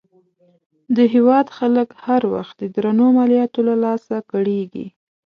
د هېواد خلک هر وخت د درنو مالیاتو له لاسه کړېږي.